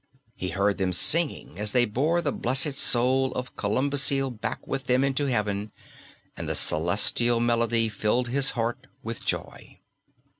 He heard them singing as they bore the blessed soul of Columbcille back with them into heaven, and the celestial melody filled his heart with joy.